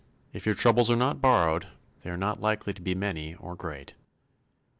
If your troubles are not borrowed, they are not likely to be many or great.